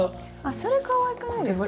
それかわいくないですか？